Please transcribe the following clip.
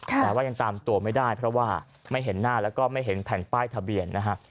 แต่ว่ายังตามตัวไม่ได้เพราะว่าไม่เห็นหน้าแล้วก็ไม่เห็นแผ่นป้ายทะเบียนนะฮะ